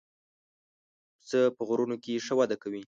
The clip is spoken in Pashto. پسه په غرونو کې ښه وده کوي.